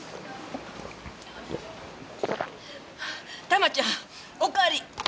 たまちゃんおかわり！